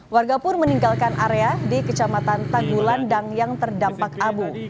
warga pun meninggalkan area di kecamatan tagulandang yang terdampak abu